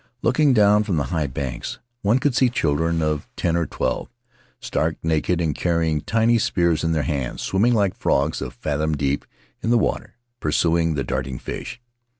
Looking down from the high bank, one could see chil dren of ten or twelve, stark naked, and carrying tiny spears in their hands, swimming like frogs a fathom deep in the clear water, pursuing the darting fish.